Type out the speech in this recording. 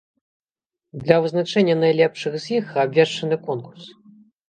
Для вызначэння найлепшых з іх абвешчаны конкурс.